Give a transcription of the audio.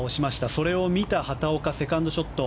それを見た畑岡セカンドショット。